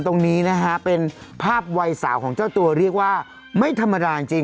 ตรงนี้นะฮะเป็นภาพวัยสาวของเจ้าตัวเรียกว่าไม่ธรรมดาจริง